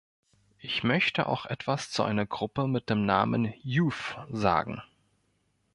Ich möchte auch etwas zu einer Gruppe mit dem Namen "Youth" sagen.